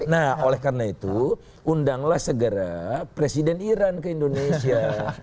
nah oleh karena itu undanglah segera presiden iran ke indonesia